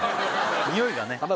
においがね